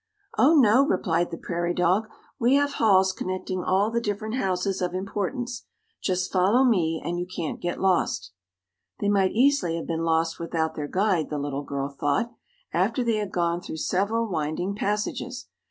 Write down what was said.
"Oh, no," replied the prairie dog, "we have halls connecting all the different houses of importance. Just follow me, and you can't get lost." They might easily have been lost without their guide, the little girl thought, after they had gone through several winding passages.